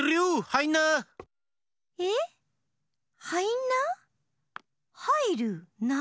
「はいんな」？